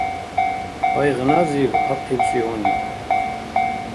Къайгъназиб ахъибси гьуни